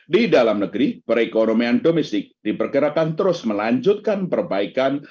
di dalam negeri perekonomian domestik diperkirakan terus melanjutkan perbaikan